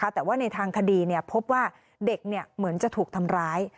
แต่ว่าในทางคดีพบว่าเด็กเหมือนจะถูกทำร้าย